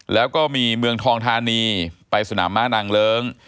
แล้วก็มีเมืองทองธานีไปสนามม้านางเลิ้ง